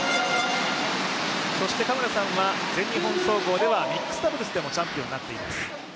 嘉村さんは全日本総合ではミックスダブルスでもチャンピオンになってます。